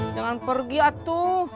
jangan pergi atu